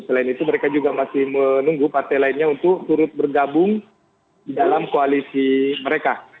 selain itu mereka juga masih menunggu partai lainnya untuk turut bergabung di dalam koalisi mereka